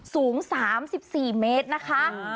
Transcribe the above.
สูง๓๔เมตรนะคะ